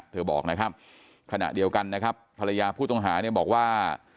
บอกนะครับขณะเดียวกันนะครับภรรยาผู้ต้องหาเนี่ยบอกว่า